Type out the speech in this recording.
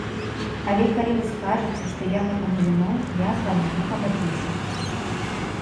Але калі вы скажаце, што я гэтаму віной, я з вамі не пагаджуся.